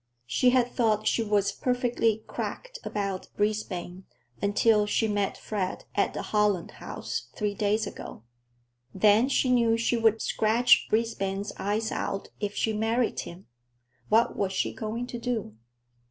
She had thought she was "perfectly cracked" about Brisbane, until she met Fred at the Holland House three days ago. Then she knew she would scratch Brisbane's eyes out if she married him. What was she going to do?